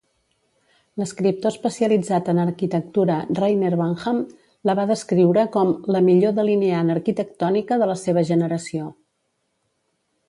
L'escriptor especialitzat en arquitectura Reyner Banham la va descriure com "la millor delineant arquitectònica de la seva generació".